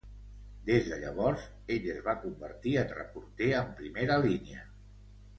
Des de llavors, ell es va convertir en reporter en primera línia.